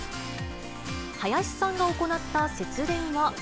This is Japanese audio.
林さんが行った節電は。